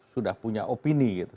sudah punya opini gitu